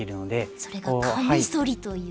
それがカミソリという。